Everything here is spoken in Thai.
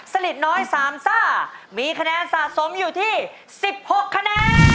ลิดน้อยสามซ่ามีคะแนนสะสมอยู่ที่๑๖คะแนน